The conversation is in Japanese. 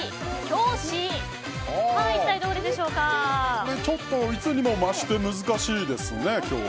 今日はいつにも増して難しいですね。